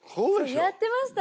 やってました！